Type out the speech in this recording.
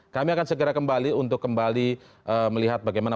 kami segera kembali saat ini